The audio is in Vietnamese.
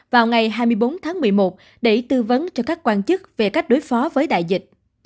vào ngày hai mươi bốn tháng một mươi một để tư vấn cho các quan chức về cách đối phó với đại dịch